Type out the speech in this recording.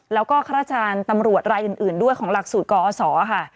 แล้วก็ข้าราชการตำรวจรายอื่นด้วยของหลักสูตรกอศค่ะ